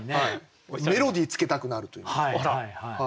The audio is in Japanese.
メロディーつけたくなるといいますか。